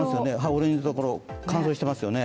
オレンジ色のところ、乾燥していますよね。